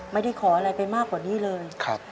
ไม่ได้ขออะไรไปมากกว่านี้เลย